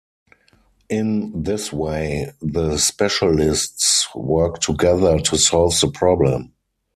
In this way, the specialists work together to solve the problem.